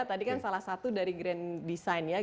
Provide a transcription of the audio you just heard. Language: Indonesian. tadi kan salah satu dari grand design ya